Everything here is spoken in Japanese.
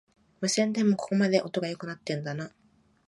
無線でもここまで音が良くなってんだな